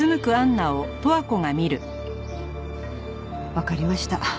わかりました。